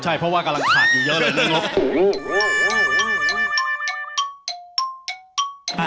ใช่เพราะว่ากำลังขาดเยอะเลยนะ